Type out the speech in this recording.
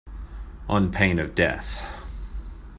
On pain of death.